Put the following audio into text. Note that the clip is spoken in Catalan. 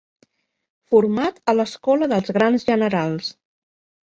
Format a l'escola dels grans generals.